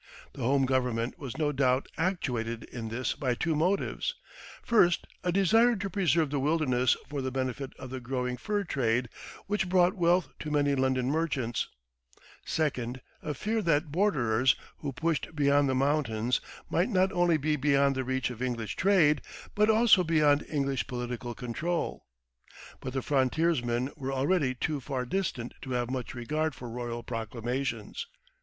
The home government was no doubt actuated in this by two motives: first, a desire to preserve the wilderness for the benefit of the growing fur trade, which brought wealth to many London merchants; second, a fear that borderers who pushed beyond the mountains might not only be beyond the reach of English trade, but also beyond English political control. But the frontiersmen were already too far distant to have much regard for royal proclamations.